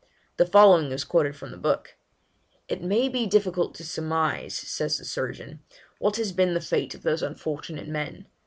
The following is quoted from the book: 'It may be difficult to surmise,' says the surgeon, 'what has been the fate of those unfortunate men.